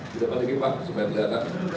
di depan lagi pak supaya kesehatan